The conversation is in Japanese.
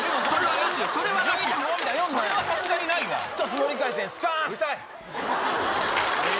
それはさすがにないわ。